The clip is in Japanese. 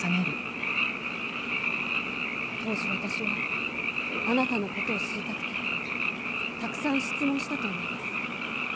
当時私はあなたのことを知りたくてたくさん質問したと思います。